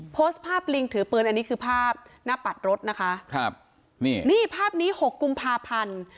โพสต์ภาพลิงถือปืนอันนี้คือภาพหน้าปัดรถนะคะครับนี่นี่ภาพนี้หกกุมภาพันธ์